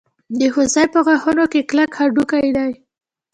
د هوسۍ په غاښونو کې کلک هډوکی دی.